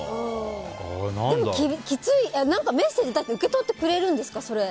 でも、何かメッセージだと受け取ってくれるんですか。